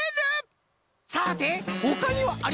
さてほかにはありますかな？